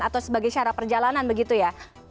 atau sebagai syarat perjalanan begitu ya